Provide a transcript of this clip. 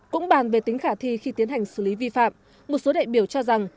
cũng bàn về tính khả thi khi tiến hành xử lý vi phạm một số đại biểu cho rằng